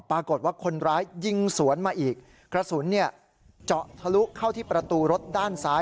ปรากฏว่าคนร้ายยิงสวนมาอีกกระสุนเนี่ยเจาะทะลุเข้าที่ประตูรถด้านซ้าย